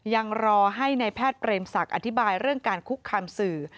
ยังรอให้ในแพทย์เปรมศักดิ์อธิบายเรื่องการคุกคามสื่อ